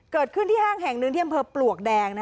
เกิดขึ้นที่ห้างแห่งหนึ่งที่อำเภอปลวกแดง